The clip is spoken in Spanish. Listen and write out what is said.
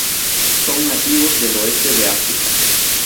Son nativos del oeste de África.